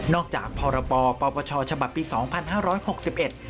จากพรปปชฉบับปีสองพันห้าร้อยหกสิบเอ็ด